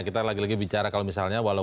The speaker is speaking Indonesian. kita lagi lagi bicara kalau misalnya